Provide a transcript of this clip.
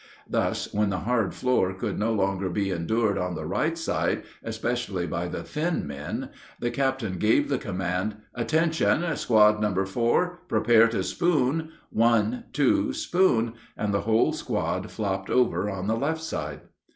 Thus, when the hard floor could no longer be endured on the right side, especially by the thin men, the captain gave the command, "Attention, Squad Number Four! Prepare to spoon! One two spoon!" And the whole squad flopped over on the left side.